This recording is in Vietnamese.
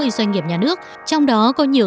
doanh nghiệp nhà nước trong đó có nhiều